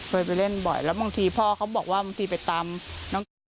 ไปเล่นบ่อยแล้วบางทีพ่อเขาบอกว่าบางทีไปตามน้องกิ๊บ